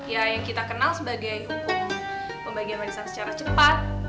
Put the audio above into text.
ya yang kita kenal sebagai hukum pembagian warisan secara cepat